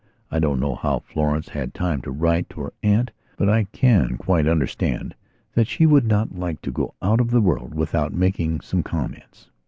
I don't know how Florence had time to write to her aunt; but I can quite understand that she would not like to go out of the world without making some comments.